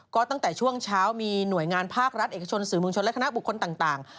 ก็ตั้งแต่ช่วงเช้ามีหน่วยงานภาครัฐเอกชนสื่อมวลชนและคณะบุคคลต่าง